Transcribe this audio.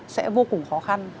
sẽ vô cùng khó khăn